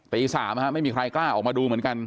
ตี๓ไม่มีใครกล้าออกมาดูเหมือนกัน